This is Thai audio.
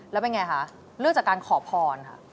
แล้วเป็นไงคะเลือกจากการขอพรค่ะ